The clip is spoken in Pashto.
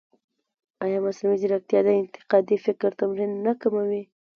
ایا مصنوعي ځیرکتیا د انتقادي فکر تمرین نه کموي؟